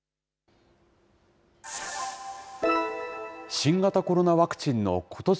新型コロナワクチンのことし